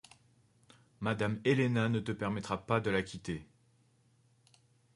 Madame Helena ne te permettra pas de la quitter.